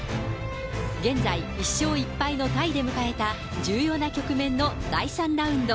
現在、１勝１敗のタイで迎えた重要な局面の第３ラウンド。